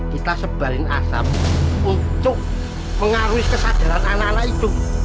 kita sebalin asap untuk mengaruhi kesadaran anak anak itu